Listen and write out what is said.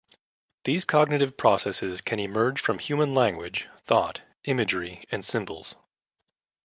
These cognitive processes can emerge from human language, thought, imagery, and symbols.